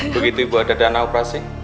begitu ibu ada dana operasi